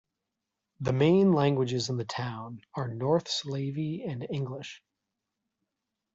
The main languages in the town are North Slavey and English.